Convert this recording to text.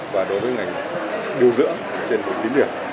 và đối với ngành điều dưỡng là trên một mươi năm điểm